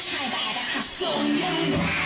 ส่วนยังแบร์ดแซมแบร์ด